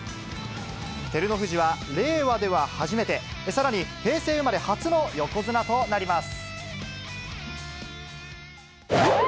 照ノ富士は令和では初めて、さらに平成生まれ初の横綱となります。